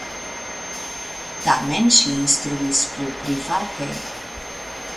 Tamen ŝi instruis plu private.